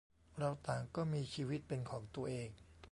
เราต่างก็มีชีวิตเป็นของตัวเอง